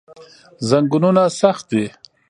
زنګونونه سخت دي.